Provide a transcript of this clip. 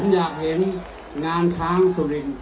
ผมอยากเห็นงานช้างสุริน